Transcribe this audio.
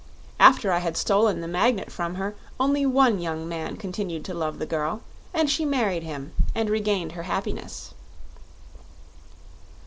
After I had stolen the Magnet from her, only one young man continued to love the girl, and she married him and regained her happiness."